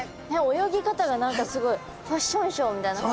泳ぎ方が何かすごいファッションショーみたいな感じ。